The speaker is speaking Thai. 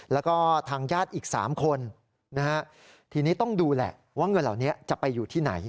แล้วก็ทางญาติอีก๓คนนะฮะทีนี้ต้องดูแหละว่าเงินเหล่านี้จะไปอยู่ที่ไหน